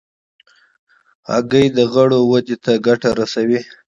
هګۍ د عضلاتو ودې ته ګټه رسوي.